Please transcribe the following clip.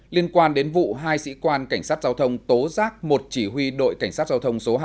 liên quan đến vụ hai sĩ quan cảnh sát giao thông tố giác một chỉ huy đội cảnh sát giao thông số hai